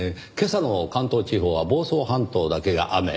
今朝の関東地方は房総半島だけが雨。